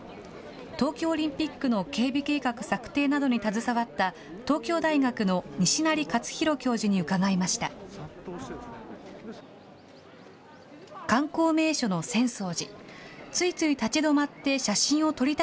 東京オリンピックの警備計画策定などに携わった、東京大学の西成活裕教授に伺いました。